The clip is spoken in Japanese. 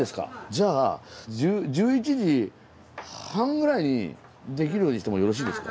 じゃあ１１時半ぐらいにできるようにしてもよろしいですか。